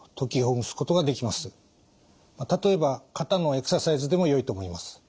例えば肩のエクササイズでもよいと思います。